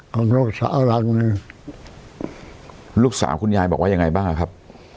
ของลูกสาวแล้วลูกสาวคุณยายบอกว่ายังไงบ้างครับ